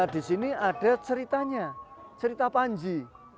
di sini ada ceritanya cerita panji